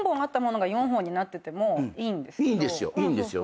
いいんですよ。